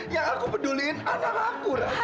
yang aku peduli adalah aku haris